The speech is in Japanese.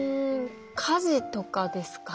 火事とかですかね？